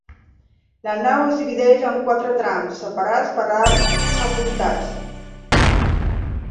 La nau es divideix amb quatre trams, separats per arcs apuntats.